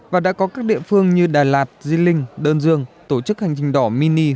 và đã có các địa phương như đà lạt diên linh đơn dương tổ chức hành trình đỏ mini